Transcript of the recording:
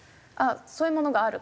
そういうものがある。